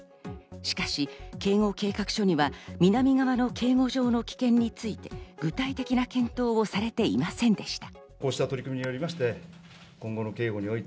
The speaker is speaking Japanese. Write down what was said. しかし警護計画書には南側の警護場の危険について具体的な検討をされていませんでした。